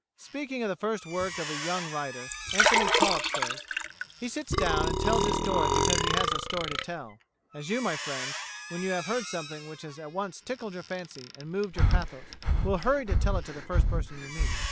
Speaking of the first work of a young writer, Anthony Trollope says: "He sits down and tells his story because he has a story to tell; as you, my friend, when you have heard something which has at once tickled your fancy or moved your pathos, will hurry to tell it to the first person you meet.